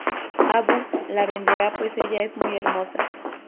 Abu la venderá pues ella es muy hermosa.